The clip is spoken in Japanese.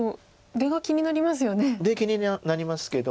出気になりますけど。